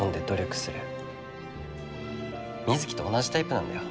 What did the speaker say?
水城と同じタイプなんだよ